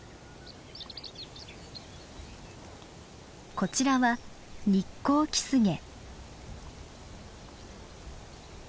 こちらはニッコウキスゲ。